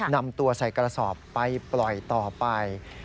นำตัวใส่กระสอบไปปล่อยต่อไป